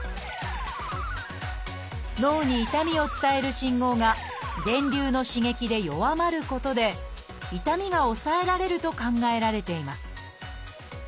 脳に痛みを伝える信号が電流の刺激で弱まることで痛みが抑えられると考えられています。